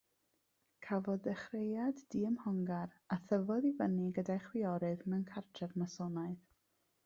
Cafodd ddechreuad diymhongar a thyfodd i fyny gyda'i chwiorydd mewn cartref Masonaidd.